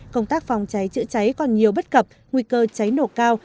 công tác phòng cháy chữa cháy còn nhiều bất cập nguy cơ cháy nổ cao